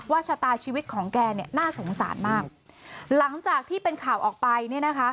ชะตาชีวิตของแกเนี่ยน่าสงสารมากหลังจากที่เป็นข่าวออกไปเนี่ยนะคะ